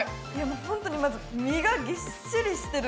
ほんとにまず実がぎっしりしてる。